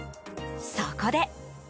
そこで。